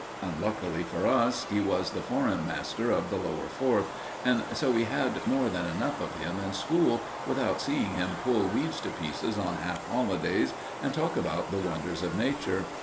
Unluckily for us, he was the Forum master of the Lower Fourth, and so we had more than enough of him in school, without seeing him pull weeds to pieces on half holidays and talk about the wonders of Nature.